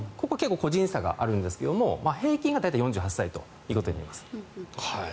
ここは結構個人差があるんですが平均が大体４８歳ということになります。